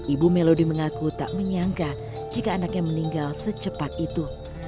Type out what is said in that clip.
ibu melodi mengaku tak menyangka jika anaknya meninggal secepat itu